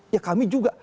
ya kami juga